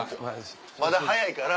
まだ早いから。